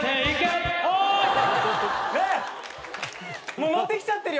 もうノってきちゃってるよね。